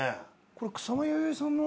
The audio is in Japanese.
これ草間彌生さんの。